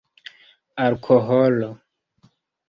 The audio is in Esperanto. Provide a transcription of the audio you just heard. alkoholo